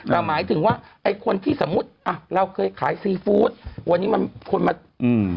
แต่หมายถึงว่าไอ้คนที่สมมุติอ่ะเราเคยขายซีฟู้ดวันนี้มันคนมาอืม